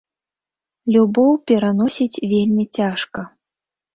Любоў пераносіць вельмі цяжка.